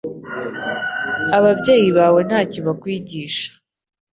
Ababyeyi bawe ntacyo bakwigishije